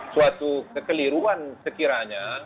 suatu kekeliruan sekiranya